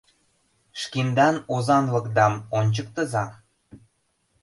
Шкендан озанлыкдам ончыктыза.